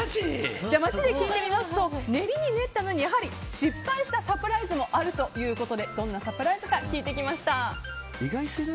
街で聞いてみますと練りに練ったのに失敗したサプライズもあるということでどんなサプライズが聞いてきました。